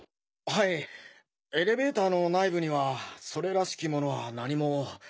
はいエレベーターの内部にはそれらしき物は何も。